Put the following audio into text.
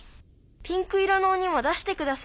「ピンク色のおにも出してください」。